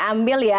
kalau kita lihat